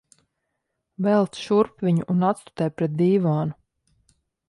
Velc šurp viņu un atstutē pret dīvānu.